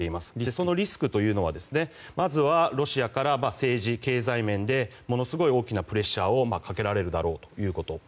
そのリスクというのがまずはロシアから政治、経済面でものすごい大きなプレッシャーをかけられるだろうということ。